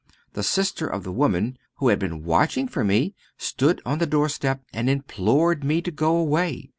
The sister of the woman, who had been watching for me, stood on the doorstep, and implored me to go away.